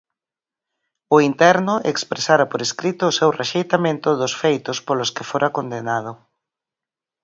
O interno expresara por escrito o seu rexeitamento dos feitos polos que fora condenado.